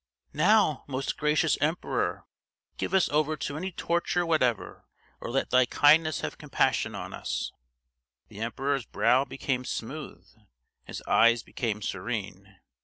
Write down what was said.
"Now, most gracious emperor, give us over to any torture whatever, or let thy kindness have compassion on us!" The emperor's brow became smooth, his eyes became serene.